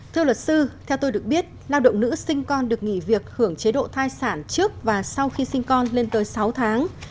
thưa luật sư theo tôi được biết lao động nữ sinh con được nghỉ việc hưởng chế độ thai sản trước và sau khi sinh con lên tới sáu tháng